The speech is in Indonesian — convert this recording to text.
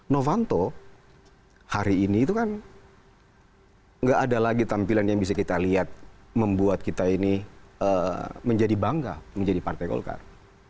novanto hari ini itu kan nggak ada lagi tampilan yang bisa kita lihat membuat kita ini menjadi bangga menjadi partai golkar